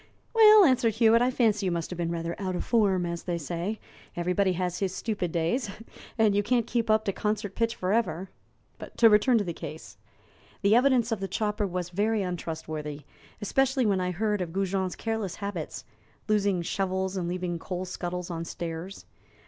"Well," answered Hewitt, "I fancy you must have been rather 'out of form,' as they say; everybody has his stupid days, and you can't keep up to concert pitch forever. To return to the case. The evidence of the chopper was very untrustworthy, especially when I had heard of Goujon's careless habits losing shovels and leaving coal scuttles on stairs.